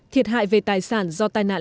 thiệt hại về tài sản do tai nạn